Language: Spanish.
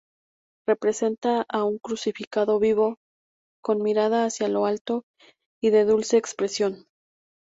Representa a un crucificado vivo, con mirada hacia lo alto y de dulce expresión.